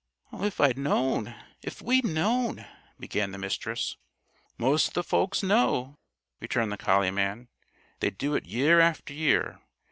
"If I'd known if we'd known " began the Mistress. "Most of these folks know!" returned the collie man. "They do it year after year.